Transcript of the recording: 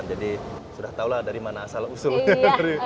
jadi sudah tahu lah dari mana asal usulnya